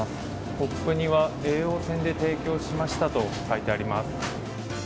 ポップには叡王戦で提供しましたと書いてあります。